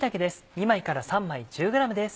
２枚から３枚１０ｇです。